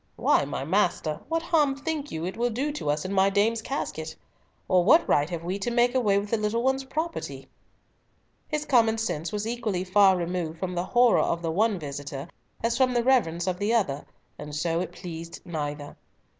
Why, my master, what harm think you it will do to us in my dame's casket? Or what right have we to make away with the little one's property?" His common sense was equally far removed from the horror of the one visitor as from the reverence of the other, and so it pleased neither.